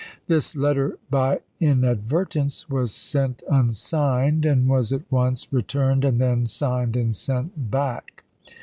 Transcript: This letter by xxvin0,' inadvertence was sent unsigned, and was at once pp 57, sL returned, and then signed and sent back.